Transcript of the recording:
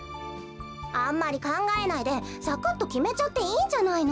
あんまりかんがえないでサクッときめちゃっていいんじゃないの？